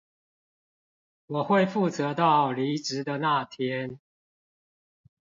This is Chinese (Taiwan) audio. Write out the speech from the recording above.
我會負責到離職的那天